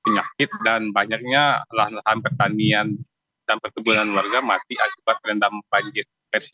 penyakit dan banyaknya lahan lahan pertanian dan perkebunan warga mati akibat terendam banjir